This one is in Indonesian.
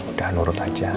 udah nurut aja